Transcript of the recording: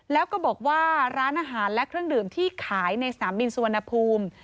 แล้วก็บอกว่าร้านอาหารและเครื่องดื่มที่ขายในสนามบินสุวรรณภูมิ